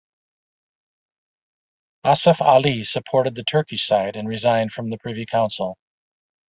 Asaf Ali supported the Turkish side and resigned from the Privy Council.